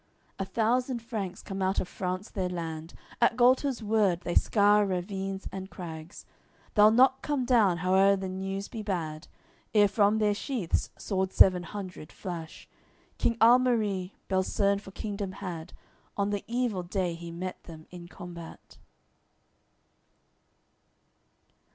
A thousand Franks, come out of France their land, At Gualter's word they scour ravines and crags; They'll not come down, howe'er the news be bad, Ere from their sheaths swords seven hundred flash. King Almaris, Belserne for kingdom had, On the evil day he met them in combat.